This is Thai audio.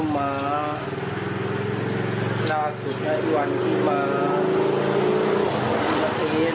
มันเข้ามาน่าสุดในวันที่มา